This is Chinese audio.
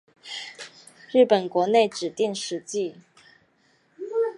日本国内指定史迹。